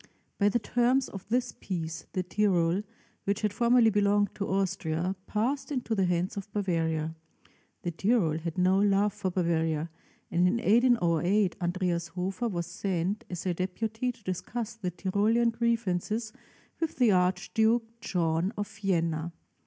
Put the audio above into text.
By the terms of this peace, the Tyrol, which had formerly belonged to Austria, passed into the hands of Bavaria. The Tyrol had no love for Bavaria; and in 1808 Andreas Hofer was sent as a deputy to discuss the Tyrolean grievances with the Archduke John of Vienna.